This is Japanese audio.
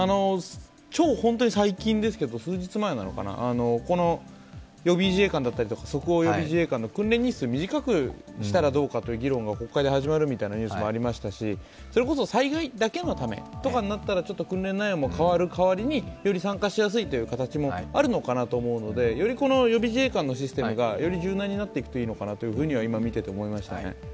超本当に最近ですけど、数日前なのかな、予備自衛官とか即応予備自衛官の訓練日数短くしたらどうかという議論が国会で始まるみたいなニュースもありましたしそれこそ災害だけのためだけになったら訓練内容も変わる代わりに、より参加しやすい形もあるのかなと思うので、より予備自衛官のシステムが柔軟になっていくといいのかなと今見ていて思いました。